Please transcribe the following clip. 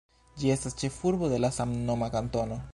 Ĝi estas ĉefurbo de la samnoma kantono.